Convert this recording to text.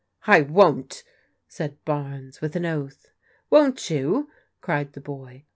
I won't," said Barnes with an oath. Won't you?" cried the boy.